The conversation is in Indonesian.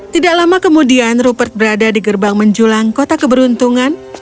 tidak lama kemudian rupert berada di gerbang menjulang kota keberuntungan